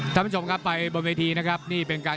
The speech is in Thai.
ดูด้วยก็พลังคนของครับ